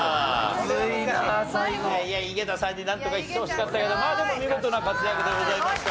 井桁さんになんとかいってほしかったけどまあでも見事な活躍でございました。